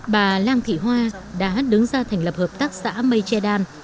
bà lan thị hoa đã đứng ra thành lập hợp tác xã mây che đan